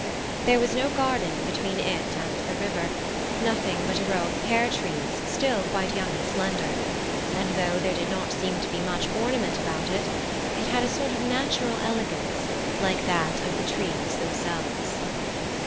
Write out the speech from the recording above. There was no garden between it and the river, nothing but a row of pear trees still quite young and slender; and though there did not seem to be much ornament about it, it had a sort of natural elegance, like that of the trees themselves.